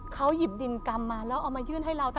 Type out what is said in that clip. เขาหยิบดินกรรมมาแล้วเอามายื่นให้เรา